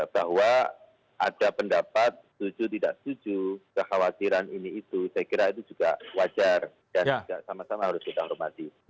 bahwa ada pendapat setuju tidak setuju kekhawatiran ini itu saya kira itu juga wajar dan juga sama sama harus kita hormati